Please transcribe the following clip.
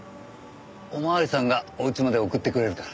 お巡りさんがおうちまで送ってくれるから。